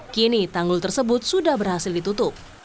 kini tanggul tersebut sudah berhasil ditutup